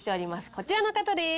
こちらの方です。